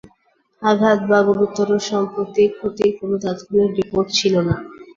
আঘাত বা গুরুতর সম্পত্তির ক্ষতির কোন তাৎক্ষণিক রিপোর্ট ছিল না।